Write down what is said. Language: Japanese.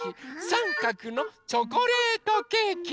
さんかくのチョコレートケーキ。